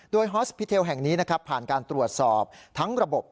โดยแห่งนี้นะครับผ่านการตรวจสอบทั้งระบบ